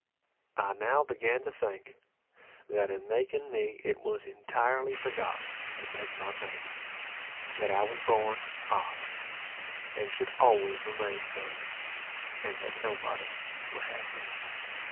I now began to think, that in making me, it was entirely forgotten to make my mate; that I was born odd, and should always remain so, and that nobody would have me.